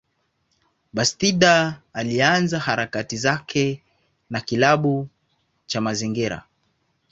Bastida alianza harakati zake na kilabu cha mazingira.